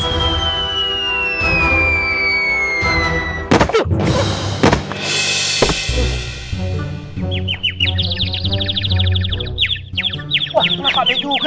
wah kenapa pak adeh juga